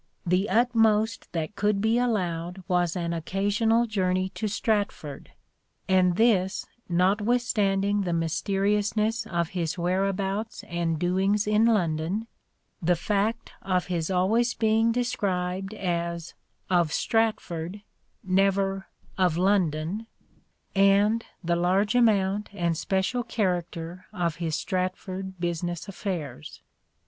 The utmost that could be allowed was an occasional journey to Stratford ; and this notwithstanding the mysteriousness of his where abouts and doings in London, the fact of his always being described as " of Stratford," never " of London," 64 " SHAKESPEARE " IDENTIFIED and the large amount and special character of his Stratford business affairs.